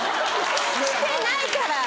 してないから！